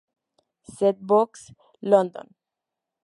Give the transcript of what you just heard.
Zed Books, London.